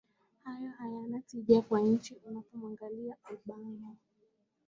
Hayo hayana tija kwa nchi Unapomwangalia Obama